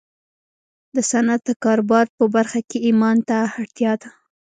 د صنعت د کاروبار په برخه کې ايمان ته اړتيا ده.